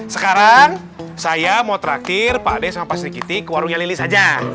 sekarang saya mau terakhir pak deh sama pak sirikiti ke warungnya lilis aja